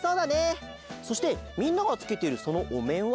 そしてみんながつけてるそのおめんは？